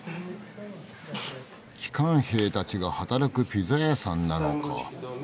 帰還兵たちが働くピザ屋さんなのか。